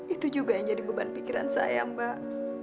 itu juga yang jadi beban pikiran saya mbak